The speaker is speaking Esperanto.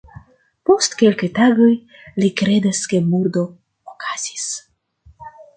Post kelkaj tagoj, li kredas ke murdo okazis.